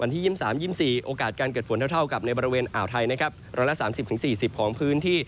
เท่ากับในบริเวณอ่าวไทยร้อนละ๓๐๔๐ของพื้นที่